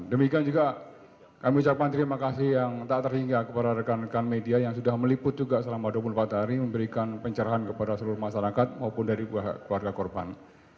demikian juga kami ucapkan terima kasih yang tak terhingga kepada rekan rekan media yang sudah meliput juga selama dua puluh empat hari memberikan pencerahan kepada seluruh masyarakat maupun dari keluarga korban